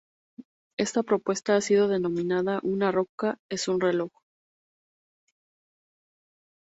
Esta propuesta ha sido denominada "Una roca es un reloj".